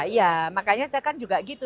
ya makanya saya kan juga gitu